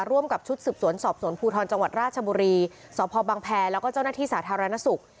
ร่วมกับชุดสืบสวนสอบสวนภูทรจังหวัดราชบุรีสพบังแพรแล้วก็เจ้าหน้าที่สาธารณสุข